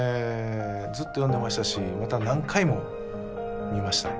ずっと読んでましたしまた何回も見ました。